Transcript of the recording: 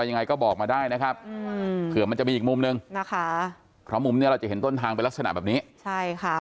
นะคะเพราะมุมเนี่ยเราจะเห็นต้นทางเป็นลักษณะแบบนี้ใช่ค่ะ